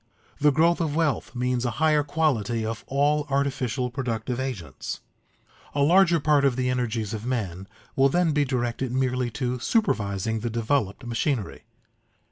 The growth of wealth means a higher quality of all artificial productive agents. A larger part of the energies of men will then be directed merely to supervising the developed machinery.